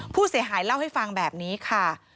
ผู้เสียหายเล่าให้ฟังแบบนี้ค่ะ